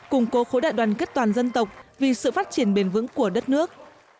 củng cố khối đại đoàn kết toàn dân tộc vì sự phát triển bền vững của đất nước